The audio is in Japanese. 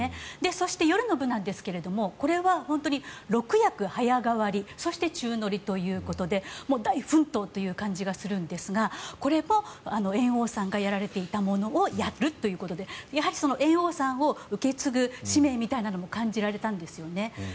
そして、夜の部なんですけれどもこれは６役早変わりそして、宙乗りということで大奮闘という感じがするんですがこれも猿翁さんがやられていたものをやるということでやはり猿翁さんを受け継ぐ使命みたいなものも感じられたんですよね。